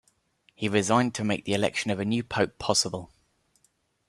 He resigned to make the election of a new pope possible.